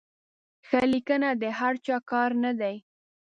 ښه لیکنه د هر چا کار نه دی.